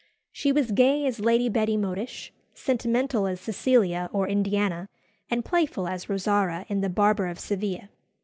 She was gay as Lady Betty Modish, sentimental as Cecilia or Indiana, and playful as Rosara in the "Barber of Seville."